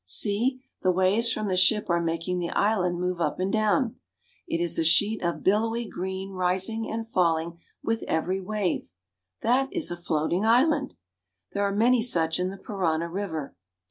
See, the waves from the ship are making the island move up and down. It is a sheet of billowy green rising and falling with every wave. That is a floating island! There are many such in the Parana river.